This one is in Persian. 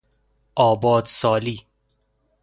آباد سالی